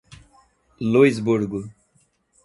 Luisburgo